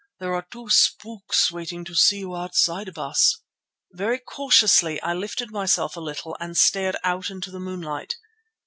There are two spooks waiting to see you outside, Baas." Very cautiously I lifted myself a little and stared out into the moonlight.